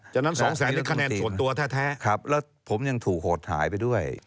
ฉะนั้น๒๐๐๐๐๐นี่คะแนนส่วนตัวแท้ครับแล้วผมยังถูกโหดหายไปด้วย